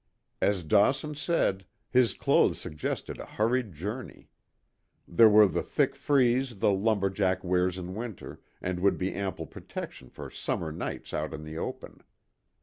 As Dawson said, his clothes suggested a hurried journey. They were the thick frieze the lumber jack wears in winter, and would be ample protection for summer nights out in the open.